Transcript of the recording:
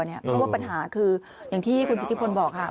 เพราะว่าปัญหาคืออย่างที่คุณสิทธิพลบอกค่ะ